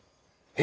え？